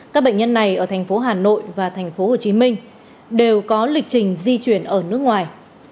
các bệnh nhân này ở thành phố hà nội và thành phố hồ chí minh đều có lịch trình di chuyển ở nước ngoài